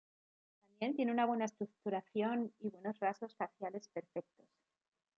Daniel tiene una buena estructuración y buenos rasgos faciales perfectos.